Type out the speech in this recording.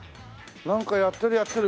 なんかやってるやってる！